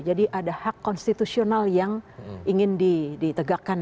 jadi ada hak konstitusional yang ingin ditegakkan